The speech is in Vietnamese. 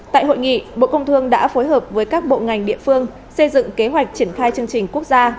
tại hội nghị bộ công thương đã phối hợp với các bộ ngành địa phương xây dựng kế hoạch triển khai chương trình quốc gia